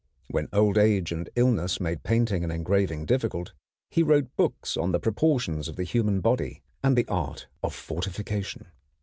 When old age and illness made painting and engraving difficult, he wrote books on the proportions of the human body and the art of fortification.